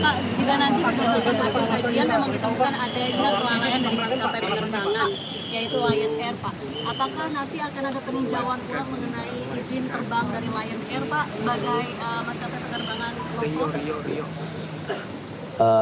apakah nanti akan ada penunjauan pulang mengenai izin terbang dari lion air pak bagai masyarakat penerbangan